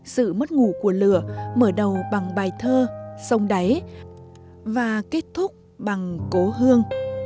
sự mất ngủ của lửa mở đầu bằng bài thơ sông đáy và kết thúc bằng cố hương